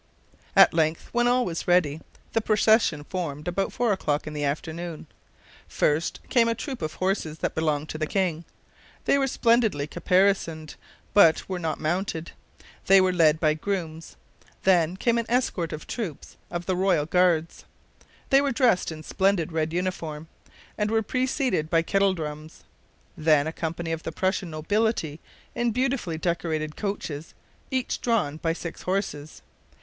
At length, when all was ready, the procession formed about four o'clock in the afternoon. First came a troop of horses that belonged to the king. They were splendidly caparisoned, but were not mounted. They were led by grooms. Then came an escort of troops of the Royal Guards. They were dressed in splendid red uniform, and were preceded by kettle drums. Then a company of the Prussian nobility in beautifully decorated coaches, each drawn by six horses.